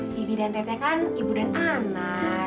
bibi dan tete kan ibu dan anak